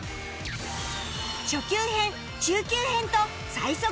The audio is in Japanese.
初級編中級編と最速で解答